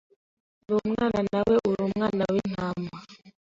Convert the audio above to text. Ndi umwana nawe uri umwana wintama